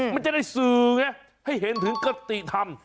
มันจะได้สื่อไงให้เห็นถึงกติธรรม